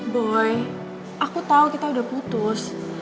boy aku tahu kita udah putus